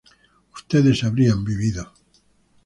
ustedes habrían vivido